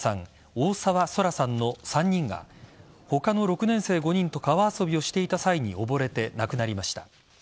大澤奏來さんの３人が他の６年生５人と川遊びをしていた際に溺れて亡くなりました。